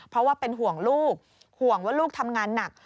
เพราะว่าเป็นห่วงลูกห่วงว่าลูกทำงานหนัก